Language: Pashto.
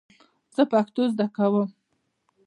زه پښتو زده کوم .